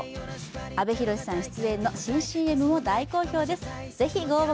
阿部寛さん出演の新ＣＭも大好評です！